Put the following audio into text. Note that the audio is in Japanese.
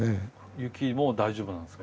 雪も大丈夫なんですか？